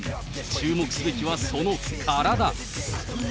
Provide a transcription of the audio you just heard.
注目すべきはその体。